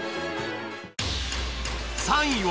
３位は